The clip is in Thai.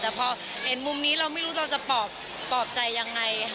แต่พอเห็นมุมนี้เราไม่รู้เราจะปลอบใจยังไง